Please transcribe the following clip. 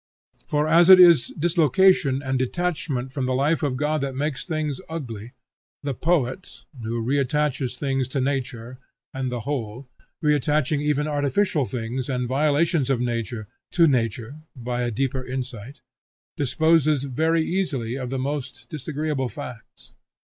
For as it is dislocation and detachment from the life of God that makes things ugly, the poet, who re attaches things to nature and the Whole, re attaching even artificial things and violations of nature, to nature, by a deeper insight, disposes very easily of the most disagreeable facts.